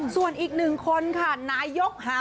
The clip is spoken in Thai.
ส่วนอีกหนึ่งคนค่ะนายก